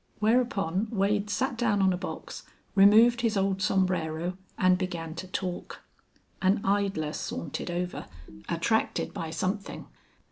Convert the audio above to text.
Whereupon Wade sat down on a box, removed his old sombrero, and began to talk. An idler sauntered over, attracted by something.